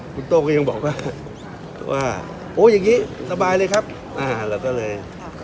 คุณโต้งก็ยังบอกว่าว่าโอ้อย่างนี้สบายเลยครับอ่าเราก็เลย